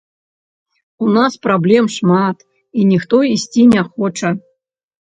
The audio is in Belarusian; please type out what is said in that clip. У нас праблем шмат, і ніхто ісці не хоча.